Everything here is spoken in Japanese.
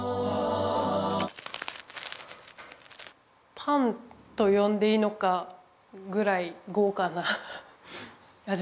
パンと呼んでいいのかぐらい豪華な味がします。